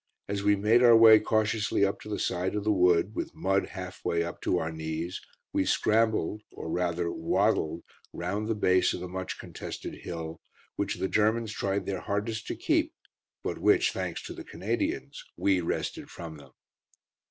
As we made our way cautiously up to the side of the wood, with mud half way up to our knees, we scrambled, or rather waddled, round the base of the much contested hill, which the Germans tried their hardest to keep, but which, thanks to the Canadians, we wrested from them.